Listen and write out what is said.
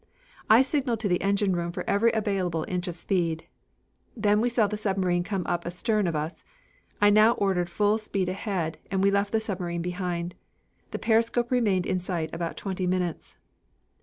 "I signaled to the engine room for every available inch of speed. Then we saw the submarine come up astern of us. I now ordered full speed ahead and we left the submarine behind. The periscope remained in sight about twenty minutes.